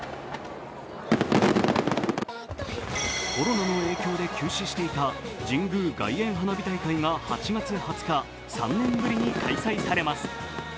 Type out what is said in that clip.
コロナの影響で休止していた神宮外苑花火大会が８月２０日、３年ぶりに開催されます。